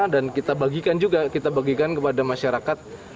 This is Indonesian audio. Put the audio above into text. dan kita bagikan juga kita bagikan kepada masyarakat